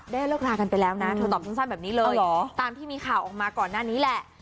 เลิกลากันไปแล้วนะเธอตอบสั้นแบบนี้เลยตามที่มีข่าวออกมาก่อนหน้านี้แหละ